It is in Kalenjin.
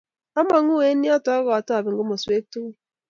amangu eng yoto akatoben komoswek togul.